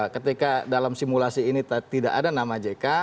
ketika dalam simulasi ini tidak ada nama jk